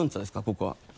ここは。